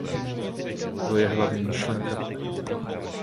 To je hlavní myšlenka.